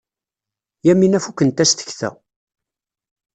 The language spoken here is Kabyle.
Yamina fukent-as tekta.